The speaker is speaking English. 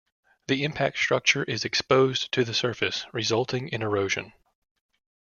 The impact structure is exposed to the surface, resulting in erosion.